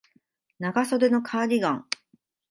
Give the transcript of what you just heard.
長袖のカーディガン